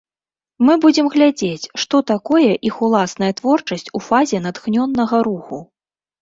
Мы будзем глядзець, што такое іх уласная творчасць у фазе натхненнага руху.